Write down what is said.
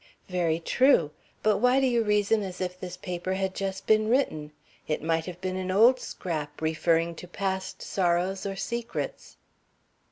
"Very true; but why do you reason as if this paper had just been written? It might have been an old scrap, referring to past sorrows or secrets."